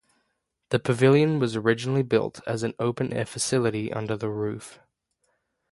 The Pavilion was originally built as an open-air facility under the roof.